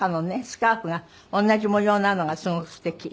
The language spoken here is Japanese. スカーフが同じ模様なのがすごくすてき。